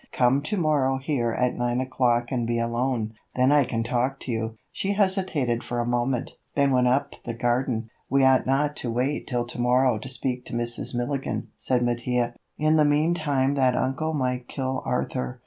"Come to morrow here at nine o'clock and be alone, then I can talk to you." She hesitated for a moment, then went up the garden. "We ought not to wait till to morrow to speak to Mrs. Milligan," said Mattia. "In the meantime that uncle might kill Arthur.